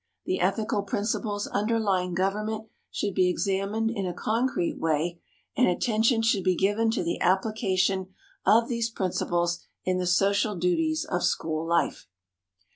The ethical principles underlying government should be examined in a concrete way; and attention should be given to the application of these principles in the social duties of school life.